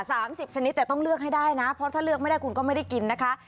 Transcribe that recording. สามสิบชนิดแต่ต้องเลือกให้ได้นะเพราะถ้าเลือกไม่ได้คุณก็ไม่ได้กินนะคะ